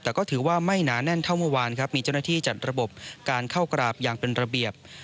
แต่ก็ถือว่าไม่หนาแน่นเท่าเมื่อวานครับมีเจ้าหน้าที่จัดระบบการเข้ากราบอย่างเป็นระเบียบ